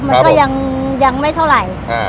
มันก็ยังไม่เท่าไหร่